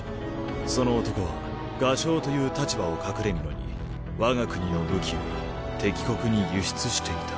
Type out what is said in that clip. その男は画商という立場を隠れみのに我が国の武器を敵国に輸出していた。